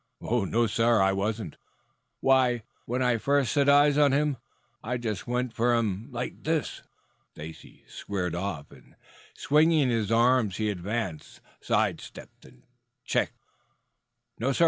"No, sir, I wasn't. Why, when I first set eyes on him, I just went for him like this." Stacy squared off, and swinging his arms he advanced, sidestepped and ducked. "No, sir.